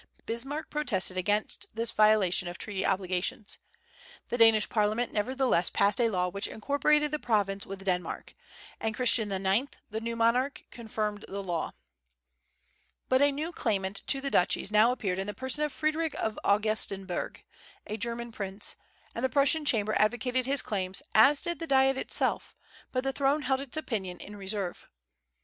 Bismarck protested against this violation of treaty obligations. The Danish parliament nevertheless passed a law which incorporated the province with Denmark; and Christian IX., the new monarch, confirmed the law. But a new claimant to the duchies now appeared in the person of Frederick of Augustenburg, a German prince; and the Prussian Chamber advocated his claims, as did the Diet itself; but the throne held its opinion in reserve.